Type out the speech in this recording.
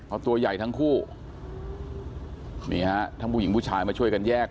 เอาตัวใหญ่ทั้งคู่นี่ฮะทั้งผู้หญิงผู้ชายมาช่วยกันแยก